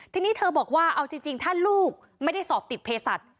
ทีนี้เธอบอกว่าเอาจริงถ้าลูกไม่ได้สอบติดเพศสัตว